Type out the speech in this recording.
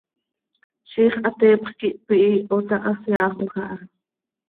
Ziix hateepx quih pihiih oo ta, haseaaxoj aha.